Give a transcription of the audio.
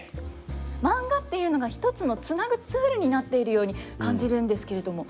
マンガっていうのが一つのつなぐツールになっているように感じるんですけれども。